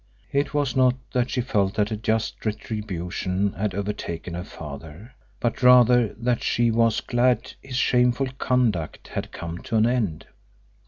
It was not that she felt that a just retribution had overtaken her father, but rather that she was glad his shameful conduct had come to an end.